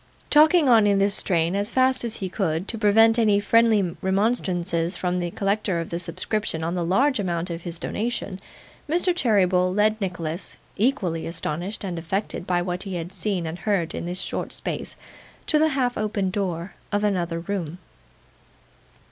Talking on in this strain, as fast as he could, to prevent any friendly remonstrances from the collector of the subscription on the large amount of his donation, Mr. Cheeryble led Nicholas, equally astonished and affected by what he had seen and heard in this short space, to the half opened door of another room.